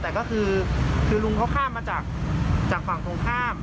แต่ก็คือลุงเขาข้ามมาจากฝั่งตรงข้าม